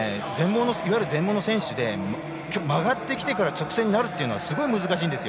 いわゆる全盲の選手で曲がってきてから直線になるってすごい難しいんです。